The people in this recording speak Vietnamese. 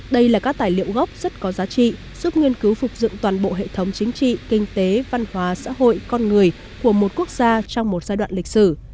đây là các tài liệu gốc rất có giá trị giúp nghiên cứu phục dựng toàn bộ hệ thống chính trị kinh tế văn hóa xã hội con người của một quốc gia trong một giai đoạn lịch sử